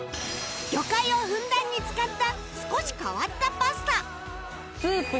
魚介をふんだんに使った少し変わったパスタ